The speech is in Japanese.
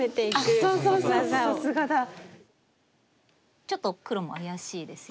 ちょっと黒も怪しいですよね。